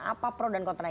apa pro dan kontra